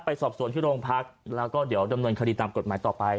สอบส่วนที่โรงพักแล้วก็เดี๋ยวดำเนินคดีตามกฎหมายต่อไป